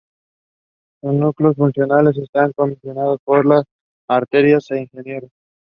Su núcleo fundacional está constituido por el de Artillería e Ingenieros.